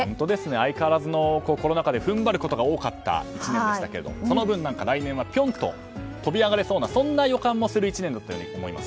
相変わらずのコロナ禍で踏ん張ることが多かった１年でしたけどその分、来年はぴょんと飛び上がれそうなそんな予感もする１年だと思います。